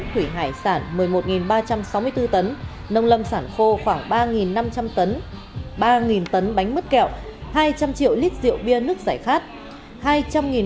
thủy hải sản một mươi một ba trăm sáu mươi bốn tấn nông lâm sản khô khoảng ba năm trăm linh tấn ba tấn bánh mứt kẹo hai trăm linh triệu lít rượu bia nước giải khát